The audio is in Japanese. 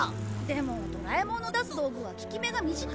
でもドラえもんの出す道具は効き目が短いんだよ